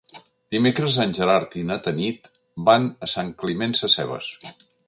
Dimecres en Gerard i na Tanit van a Sant Climent Sescebes.